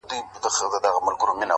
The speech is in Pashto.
د ښایستونو خدایه سر ټيټول تاته نه وه,